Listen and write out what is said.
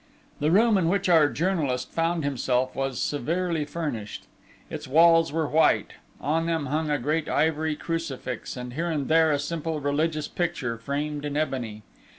The room in which our journalist found himself was severely furnished: its walls were white, on them hung a great ivory crucifix, and here and there, a simple religious picture framed in ebony.